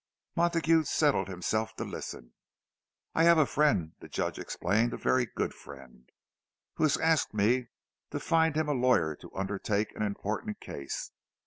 Montague settled himself to listen. "I have a friend," the Judge explained—"a very good friend, who has asked me to find him a lawyer to undertake an important case.